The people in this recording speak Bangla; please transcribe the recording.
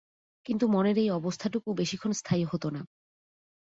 কিন্তু মনের এই অবস্থটুকু বেশিক্ষণ স্থায়ী হত না।